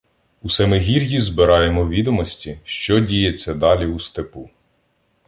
У Семигір'ї збираємо відомості, що діється далі у степу.